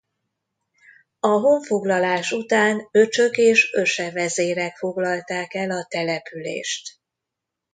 A honfoglalás után Öcsök és Öse vezérek foglalták el a települést.